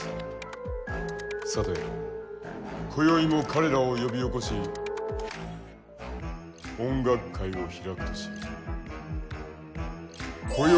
さて今宵も彼らを呼び起こし音楽会を開くとしよう。